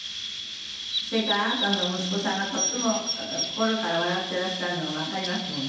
それからあなたの息子さんがとっても心から笑ってらっしゃるのがわかりますもんね。